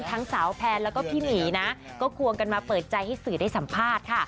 ทั้งสาวแพนแล้วก็พี่หมีนะก็ควงกันมาเปิดใจให้สื่อได้สัมภาษณ์ค่ะ